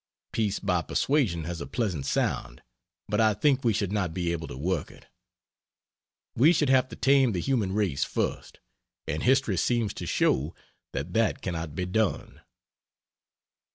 Peace by persuasion has a pleasant sound, but I think we should not be able to work it. We should have to tame the human race first, and history seems to show that that cannot be done.